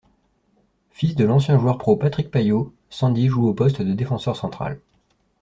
Fils de l'ancien joueur pro Patrick Paillot, Sandy joue au poste de défenseur central.